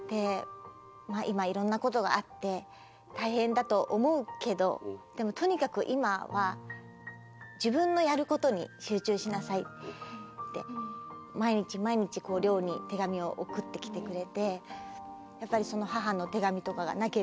「今いろんな事があって大変だと思うけどでもとにかく今は自分のやる事に集中しなさい」って毎日毎日寮に手紙を送ってきてくれて。